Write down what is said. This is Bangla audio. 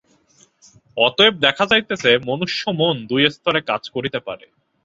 অতএব দেখা যাইতেছে, মনুষ্য-মন দুই স্তরে কাজ করিতে পারে।